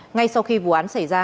ngay sau khi vụ án xảy ra